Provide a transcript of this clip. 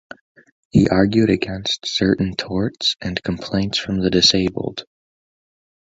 He argued against certain torts and complaints from the disabled.